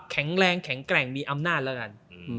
แข็งแรงแข็งแกร่งมีอำนาจแล้วกัน